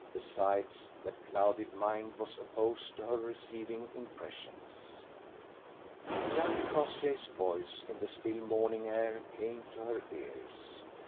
Besides, the clouded mind was opposed to her receiving impressions. Young Crossjay's voice in the still morning air came to her cars.